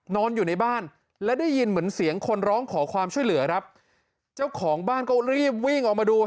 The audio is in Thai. นอนอยู่ในบ้านและได้ยินเหมือนเสียงคนร้องขอความช่วยเหลือครับเจ้าของบ้านก็รีบวิ่งออกมาดู